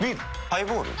ハイボール？